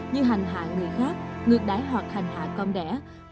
như hành hạ người khác ngược đáy hoặc hành hạ con đẻ